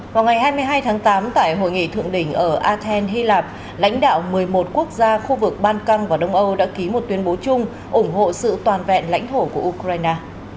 vào ngày hai mươi hai tháng tám tại hội nghị thượng đỉnh ở athens hy lạp lãnh đạo một mươi một quốc gia khu vực ban căng và đông âu đã ký một tuyên bố chung ủng hộ sự toàn vẹn lãnh thổ của ukraine